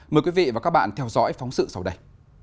mời quý vị và các bạn theo dõi phóng sự sau đây